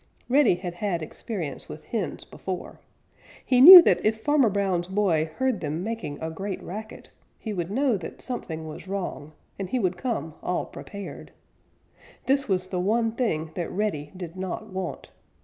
Reddy had had experience with hens before. He knew that if Farmer Brown's boy heard them making a great racket, he would know that something was wrong, and he would come all prepared. This was the one thing that Reddy did not want.